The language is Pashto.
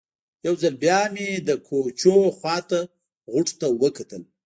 یو ځل بیا مې د کوچونو خوا ته غوټو ته وکتل.